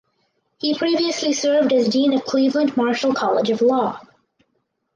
He previously served as Dean of Cleveland–Marshall College of Law.